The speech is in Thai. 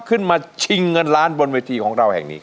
ขึ้นมาชิงเงินล้านบนวันหนุนแห่งนี้